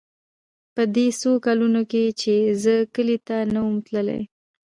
په دې څو کلونو چې زه کلي ته نه وم تللى.